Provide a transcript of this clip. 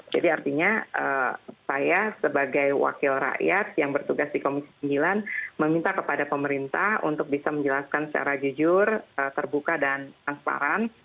jadi artinya saya sebagai wakil rakyat yang bertugas di komisi sembilan meminta kepada pemerintah untuk bisa menjelaskan secara jujur terbuka dan transparan